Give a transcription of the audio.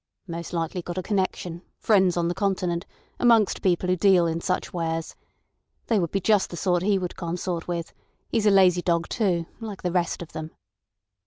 "Most likely got a connection—friends on the Continent—amongst people who deal in such wares. They would be just the sort he would consort with. He's a lazy dog, too—like the rest of them."